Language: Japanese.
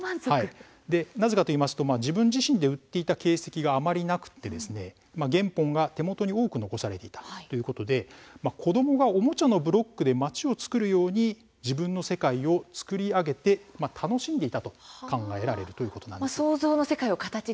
なぜかといいますと自分自身で売っていた形跡があまりなくて原本が手元に多く残されていたということから、子どもがおもちゃのブロックで街を作るように自分の世界を作り上げて楽しんでいたと考えられるということなんです。